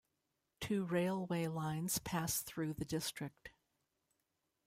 Two railway lines pass through the district.